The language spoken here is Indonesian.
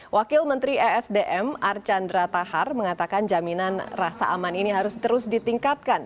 wakil menteri esdm archandra tahar mengatakan jaminan rasa aman ini harus terus ditingkatkan